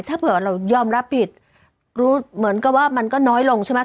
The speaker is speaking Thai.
ถ้าเผื่อเรายอมรับผิดรู้เหมือนกับว่ามันก็น้อยลงใช่ไหม